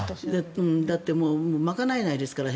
だって賄えないですから。